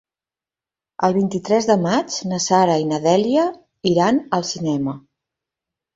El vint-i-tres de maig na Sara i na Dèlia iran al cinema.